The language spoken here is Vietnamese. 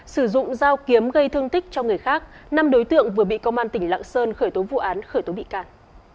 sử dụng dao kiếm gây thương tích cho người khác năm đối tượng vừa bị công an tỉnh lạng sơn khởi tố vụ án khởi tố bị can